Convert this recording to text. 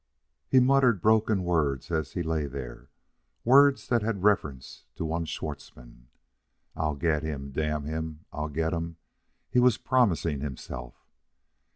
But he muttered broken words as he lay there, words that had reference to one Schwartzmann. "I'll get him, damn him! I'll get him!" he was promising himself.